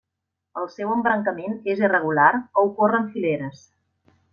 El seu embrancament és irregular, o ocorre en fileres.